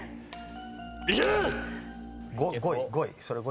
「いけ！」